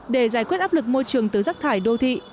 để giải quyết áp lực môi trường từ rác thải đô thị